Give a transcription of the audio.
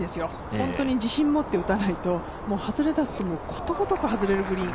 本当に自信を持って打たないと、外れ出すとことごとく外れるグリーン